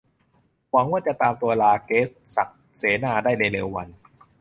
หวังว่าจะตามตัว ราเกซ ศักดิ์เสนา ได้ในเร็ววัน